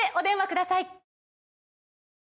ください